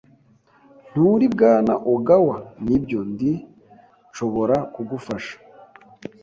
"Nturi Bwana Ogawa?" "Nibyo, ndi. Nshobora kugufasha?"